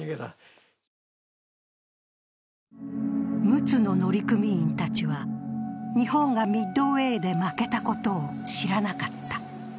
「陸奥」の乗組員たちは、日本がミッドウェーで負けたことを知らなかった。